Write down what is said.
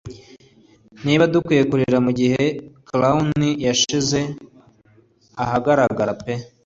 Niba dukwiye kurira mugihe clown yashyize ahagaragara pe